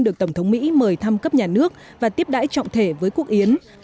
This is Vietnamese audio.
được tổng thống mỹ mời thăm cấp nhà nước và tiếp đãi trọng thể với quốc yến